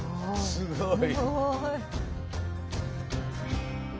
すごい！